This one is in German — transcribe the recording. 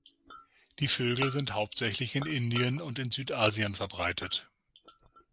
Die Vögel sind hauptsächlich in Indien und in Südasien verbreitet.